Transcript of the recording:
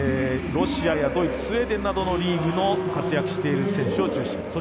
ロシアやドイツスウェーデンなどでのリーグで活躍している選手を中心に。